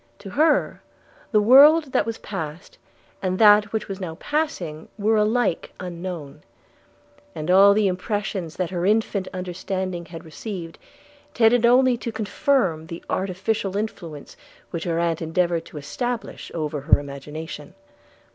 To her, the world that was past and that which was now passing were alike unknown; and all the impressions that her infant understanding had received, tended only to confirm the artificial influence which her aunt endeavoured to establish over her imagination.